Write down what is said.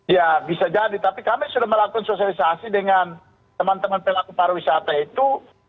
ya bisa jadi tapi kami sudah melakukan sosialisasi dengan teman teman pelaku pariwisata itu